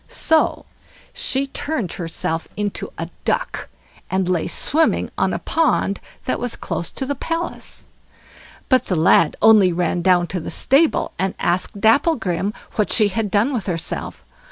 So she turned herself into a duck, and lay swimming on a pond that was close to the palace. But the lad only ran down to the stable, and asked Dapplegrim what she had done with herself.